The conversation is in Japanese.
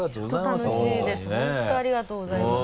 ありがとうございます